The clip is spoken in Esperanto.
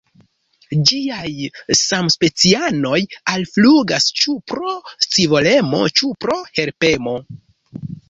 Ĝiaj samspecianoj alflugas ĉu pro scivolemo, ĉu pro helpemo.